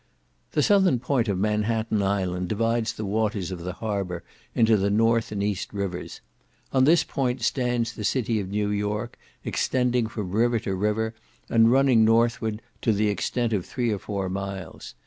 The southern point of Manhatten Island divides the waters of the harbour into the north and east rivers; on this point stands the city of New York, extending from river to river, and running northward to the extent of three or four miles.